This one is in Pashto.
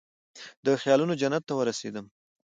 د خیالونوجنت ته ورسیدم